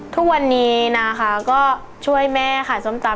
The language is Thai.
ทุกวันนี้นะคะก็ช่วยแม่ขายส้มตำ